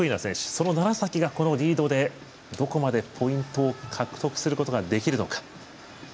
その楢崎がこのリードで、どこまでポイントを獲得することができるのか。